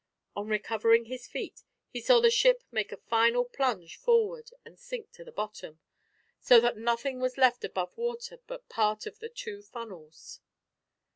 On recovering his feet he saw the ship make a final plunge forward and sink to the bottom, so that nothing was left above water but part of the two funnels.